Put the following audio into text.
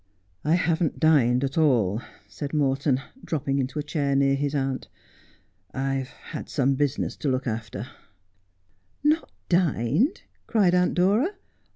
' I haven't dined at all,' said Morton, dropping into a chair near his aunt. ' I have had some business to look after,' ' Not dined !' cried Aunt Dora.